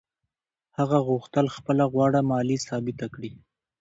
هغه غوښتل خپله غوړه مالي ثابته کړي.